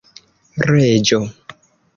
reĝo